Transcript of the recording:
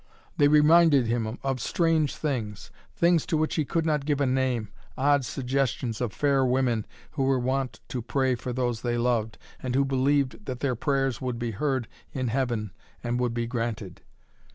They reminded him of strange things, things to which he could not give a name, odd suggestions of fair women who were wont to pray for those they loved, and who believed that their prayers would be heard in heaven and would be granted!